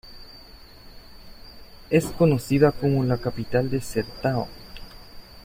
Es conocida como "la capital del sertão".